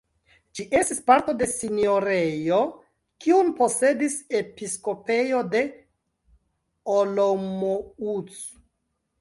Ĝi estis parto de sinjorejo, kiun posedis episkopejo de Olomouc.